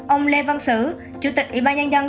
ông lê văn sử chủ tịch ủy ban nhân dân